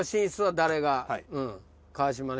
誰が。